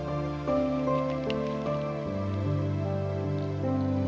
จะดูแล้วคงไม่รอดเพราะเราคู่กัน